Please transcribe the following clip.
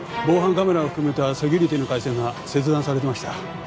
防犯カメラを含めたセキュリティーの回線が切断されてました。